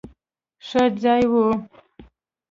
ښه ځای وو.